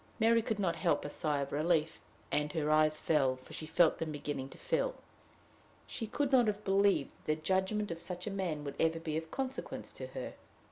Mary could not help a sigh of relief, and her eyes fell, for she felt them beginning to fill. She could not have believed that the judgment of such a man would ever be of consequence to her.